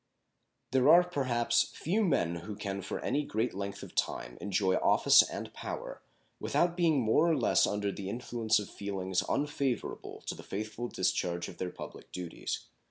There are, perhaps, few men who can for any great length of time enjoy office and power without being more or less under the influence of feelings unfavorable to the faithful discharge of their public duties.